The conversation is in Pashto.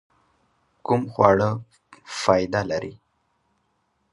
کوم خواړه فائده لري؟